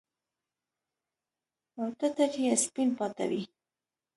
او ټټر يې سپين پاته وي.